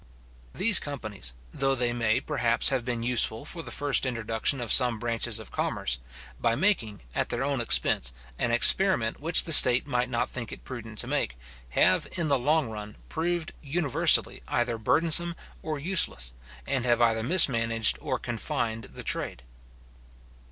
These companies, though they may, perhaps, have been useful for the first introduction of some branches of commerce, by making, at their own expense, an experiment which the state might not think it prudent to make, have in the long run proved, universally, either burdensome or useless, and have either mismanaged or confined the trade.